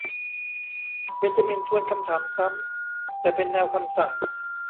เบนจามินทวนคำถามซ้ำ แต่เป็นแนวคำสั่ง